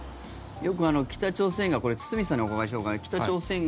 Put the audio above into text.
よく北朝鮮がこれ、堤さんにお伺いしようかな